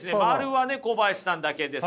○はね小林さんだけですね。